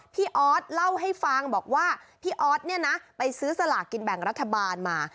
ออสเล่าให้ฟังบอกว่าพี่ออสเนี่ยนะไปซื้อสลากกินแบ่งรัฐบาลมา